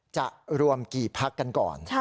จะรวมกี่พักกันก่อน